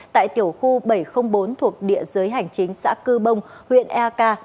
tại tiểu khu bảy trăm linh bốn thuộc địa giới hành chính xã cư bông huyện eak